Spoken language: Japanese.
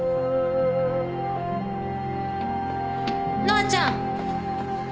乃愛ちゃん！